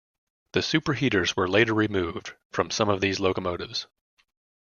The superheaters were later removed from some of these locomotives.